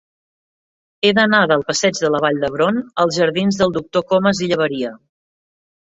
He d'anar del passeig de la Vall d'Hebron als jardins del Doctor Comas i Llaberia.